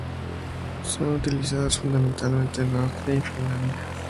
Son utilizadas fundamentalmente en Austria y Finlandia.